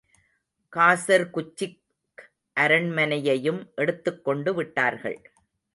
காசர்குச்சிக் அரண்மனையையும் எடுத்துக்கொண்டு விட்டார்கள்.